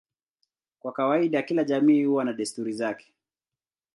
Kwa kawaida kila jamii huwa na desturi zake.